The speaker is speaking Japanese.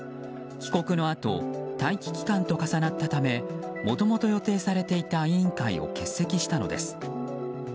帰国のあと待機期間と重なったためもともと予定されていた委員会を欠席したのです。